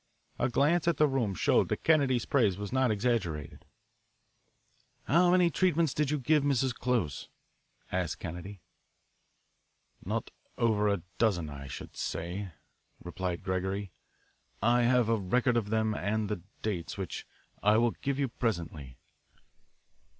A glance at the room showed that Kennedy's praise was not exaggerated. "How many treatments did you give Mrs. Close?" asked Kennedy. "Not over a dozen, I should say;" replied Gregory. "I have a record of them and the dates, which I will give you presently.